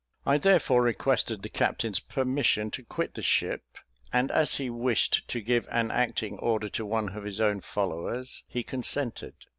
I therefore requested the captain's permission to quit the ship; and as he wished to give an acting order to one of his own followers, he consented.